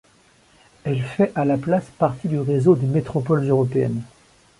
Elle fait à la place partie du réseau des métropoles européennes.